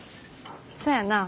そやなあ。